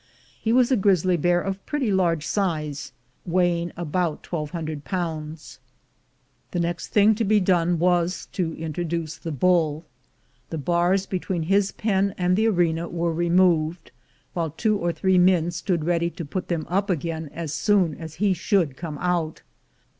He was a grizzly bear of pretty large size, weighing about twelve hundred pounds. The next thing to be done was to introduce the bull. The bars between his pen and the arena were removed, while two or three men stood ready to put them up again as soon as he should come out.